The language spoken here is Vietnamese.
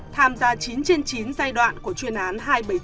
tham gia chín trên chín giai đoạn của chuyên án hai trăm bảy mươi chín